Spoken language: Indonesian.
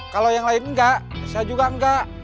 kalau yang lain enggak saya juga enggak